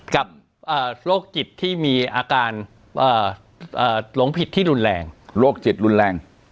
กับเอ่อโรคจิตที่มีอาการเอ่อเอ่อหลงผิดที่รุนแรงโรคจิตรุนแรง